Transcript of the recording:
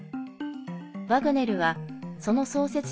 ワグネルはその創設者